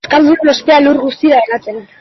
Euskaldunen ospea lur guztira hedatzen